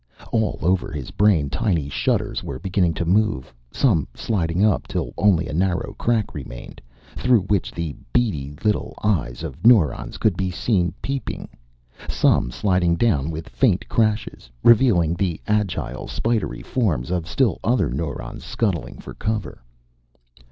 All over his brain, tiny shutters were beginning to move, some sliding up till only a narrow crack remained, through which the beady little eyes of neurons could be seen peeping, some sliding down with faint crashes, revealing the agile, spidery forms of still other neurons scuttling for cover.